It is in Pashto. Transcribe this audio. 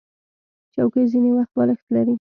چوکۍ ځینې وخت بالښت لري.